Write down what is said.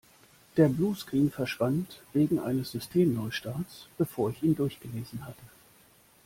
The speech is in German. Der Bluescreen verschwand wegen eines Systemneustarts, bevor ich ihn durchgelesen hatte.